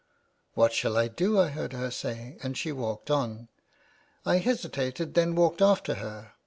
* What shall I do ?' I heard her say, and she walked on ; I hesitated and then walked after her.